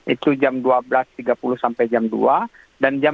itu akan dikelola oleh jack dan kawan kawannya